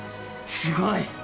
すごい！